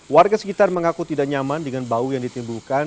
warga sekitar mengaku tidak nyaman dengan bau yang ditimbulkan